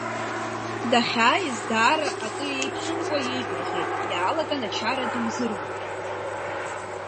Дахьааиз даара акы иеиԥшымкәа иеигәырӷьеит, иаалаган ачара ду изыруит.